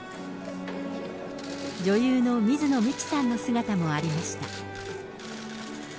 女優の水野美紀さんの姿もありました。